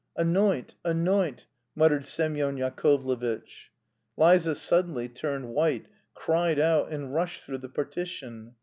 "Anoint, anoint!" muttered Semyon Yakovlevitch. Liza suddenly turned white, cried out, and rushed through the partition.